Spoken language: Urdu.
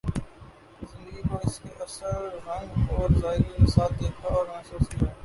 زندگی کو اس کے اصل رنگ اور ذائقہ کے ساتھ دیکھا اور محسوس کیا۔